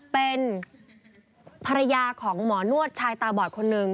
เป็นภรรยาของหมอนวดชายตาบอดคนหนึ่ง